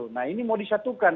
nah ini mau disatukan